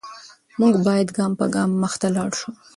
موږ باید ګام په ګام مخته لاړ شو.